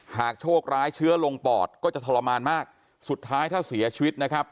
โชคร้ายเชื้อลงปอดก็จะทรมานมากสุดท้ายถ้าเสียชีวิตนะครับ